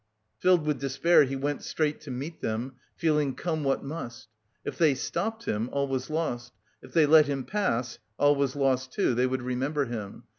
Filled with despair he went straight to meet them, feeling "come what must!" If they stopped him all was lost; if they let him pass all was lost too; they would remember him.